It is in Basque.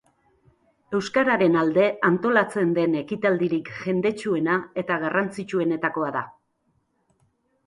Euskararen alde antolatzen den ekitaldirik jendetsuena eta garrantzitsuenetakoa da.